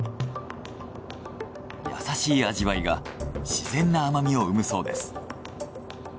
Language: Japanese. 優しい味わいが自然な甘みを生むそうです。